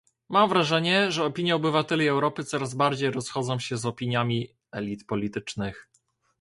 Mam wrażenie, że opinie obywateli Europy coraz bardziej rozchodzą się z opiniami elit politycznych